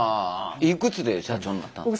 いくつで社長になったんですか？